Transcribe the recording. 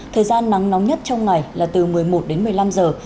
thời gian nắng nóng nhất trong ngày là từ một mươi một đến một mươi năm giờ